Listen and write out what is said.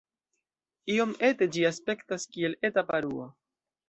Iom ete ĝi aspektas, kiel eta paruo.